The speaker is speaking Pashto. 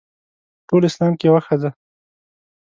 په ټول اسلام کې یوه ښځه.